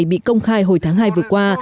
bị công khai hồi tháng hai vừa qua